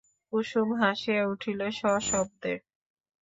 কুসুম হাসিয়া উঠিল সশব্দে।